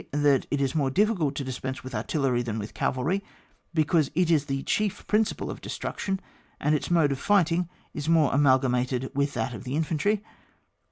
That it is niore difficult to dispense with artillery than with cavalry, because it is the chief principle of destruction, and its mode of fighting is more amal gamated with that of infantry.